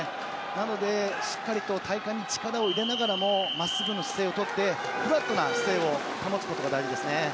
なので、しっかりと体幹に力を入れながらも真っすぐの姿勢を取ってフラットな姿勢を保つことが大事ですね。